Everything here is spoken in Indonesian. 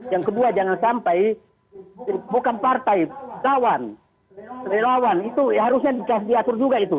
yang kedua jangan sampai bukan partai lawan relawan itu ya harusnya diatur juga itu